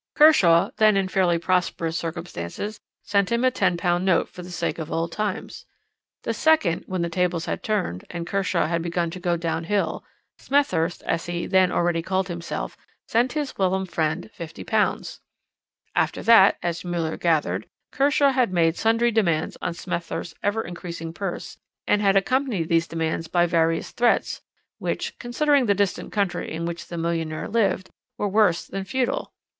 "Kershaw, then in fairly prosperous circumstances, sent him a £10 note for the sake of old times. The second, when the tables had turned, and Kershaw had begun to go downhill, Smethurst, as he then already called himself, sent his whilom friend £50. After that, as Müller gathered, Kershaw had made sundry demands on Smethurst's ever increasing purse, and had accompanied these demands by various threats, which, considering the distant country in which the millionaire lived, were worse than futile.